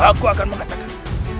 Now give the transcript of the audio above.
aku akan mengatakan